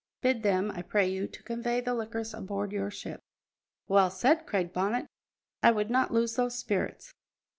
Bid them, I pray you, to convey the liquors aboard your ship." "Well said!" cried Bonnet. "I would not lose those spirits."